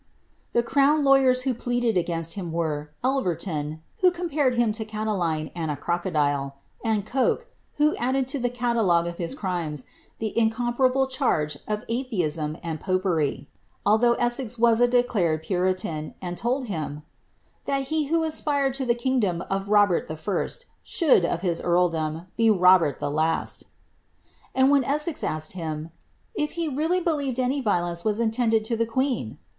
The crown law yers who pleaded against hiin were, Telvertoii, who compared him lo Catiline and a crocodile, and Coke, who added to the calalc^ie of l)ii crimes the incompatible charges of atheism and popery, although E^i was a declared puritan, and told him " that he who aspired to the king dom of Robert the First should, of his earldom, be Robert the last;" and when Essex asked him, '• if he really believed any violence wss intended lo the queen